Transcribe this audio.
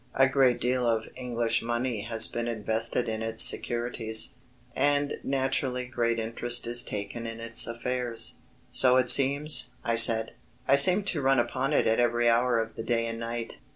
A great deal of English money has been invested in its securities, and naturally great interest is taken in its affairs." "So it seems," I said, "I seem to run upon it at every hour of the day and night."